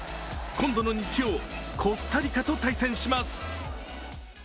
今度の日曜コスタリカと対戦します。